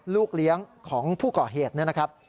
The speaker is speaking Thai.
ลูกเลี้ยงของผู้ก่อเหตุเนี่ยนะครับ